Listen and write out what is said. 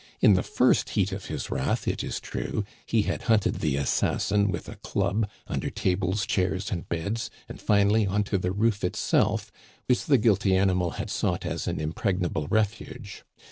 In the first heat of his wrath, it is true, he had hunted the assassin with a club, under tables, chairs, and beds, and finally on to the roof itself, which the guilty animal had sought as an impregnable refuge.